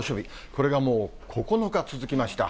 これがもう、９日続きました。